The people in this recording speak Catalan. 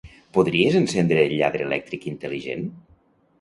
Podries encendre el lladre elèctric intel·ligent?